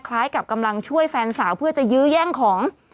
กับกำลังช่วยแฟนสาวเพื่อจะยื้อแย่งของ